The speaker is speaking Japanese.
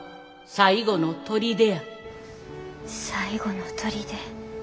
最後のとりで。